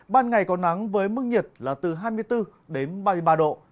ban ngày có nắng với mức nhiệt là từ hai mươi bốn đến ba mươi ba độ